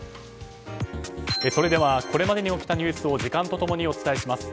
それではこれまでに起きたニュースを時間と共にお伝えします。